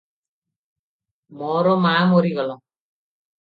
ମୋର ମା ମରିଗଲା ।